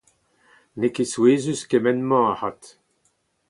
N'eo ket souezhus kement-mañ avat.